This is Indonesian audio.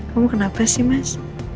kamu kenapa sih mas